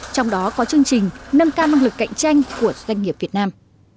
trong đó có chương trình nâng cao năng lực cạnh tranh của doanh nghiệp việt nam